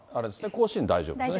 甲子園、大丈夫ですね。